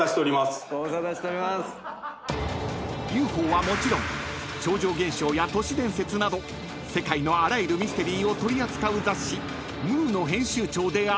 ［ＵＦＯはもちろん超常現象や都市伝説など世界のあらゆるミステリーを取り扱う雑誌］